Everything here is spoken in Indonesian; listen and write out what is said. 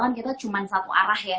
kan kita cuma satu arah ya